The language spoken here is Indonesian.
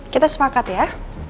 kita semangat ya